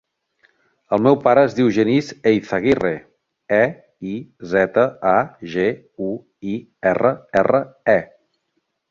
El meu pare es diu Genís Eizaguirre: e, i, zeta, a, ge, u, i, erra, erra, e.